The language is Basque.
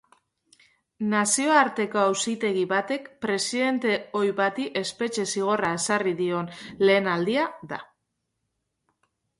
Nazioarteko auzitegi batek presidente ohi bati espetxe zigorra ezarri dion lehen aldia da.